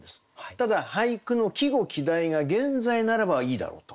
ただ俳句の季語季題が現在ならばいいだろうと。